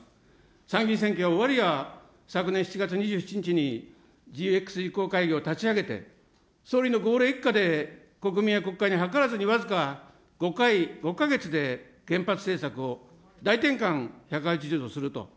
参議院選挙が終わるや、昨年７月２７日にＧＸ移行会議を立ち上げて、総理の号令いっかで、国民や国会に諮らずに僅か５回、６か月で原発政策を大転換、１８０度すると。